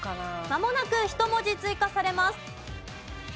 まもなく１文字追加されます。